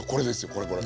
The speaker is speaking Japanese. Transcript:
これこれ。